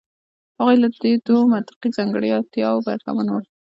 هغوی له دې دوو منطقي ځانګړتیاوو برخمن وو.